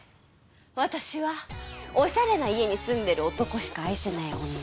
私はおしゃれな家に住んでる男しか愛せない女。